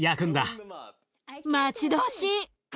待ち遠しい。